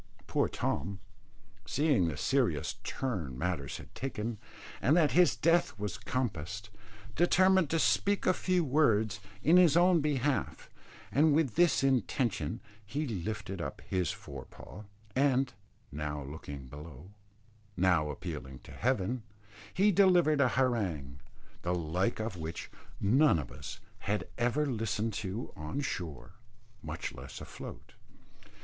Poor Tom, seeing the serious turn matters had taken, and that his death was compassed, determined to speak a few words in his own behalf; and with this intention he lifted up his fore paw, and, now looking below, now appealing to heaven, he delivered an harangue, the like of which none of us had ever listened to on shore, much less afloat.